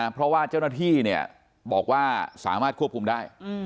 เพราะว่าเจ้าหน้าที่บอกว่าสามารถควบคุมได้